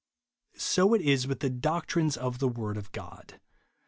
So is it with the doctrines of the word of God.